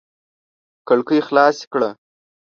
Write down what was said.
کړکۍ خلاصې کړه!